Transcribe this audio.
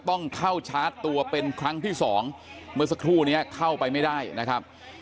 ต้องเข้าชาร์จตัวเป็นครั้งที่สองเมื่อสักครู่นี้เข้าไปไม่ได้นะครับ